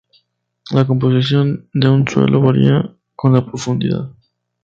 La composición de un suelo varía con la profundidad.